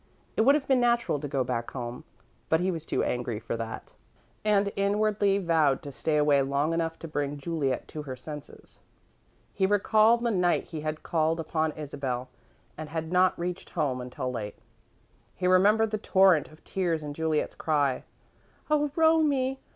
It would have been natural to go back home, but he was too angry for that, and inwardly vowed to stay away long enough to bring Juliet to her senses. He recalled the night he had called upon Isabel and had not reached home until late. He remembered the torrent of tears and Juliet's cry: "Oh, Romie!